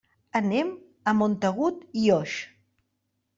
Anem a Montagut i Oix.